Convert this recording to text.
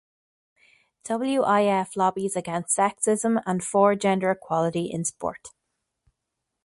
WiF lobbies against sexism and for gender equality in sport.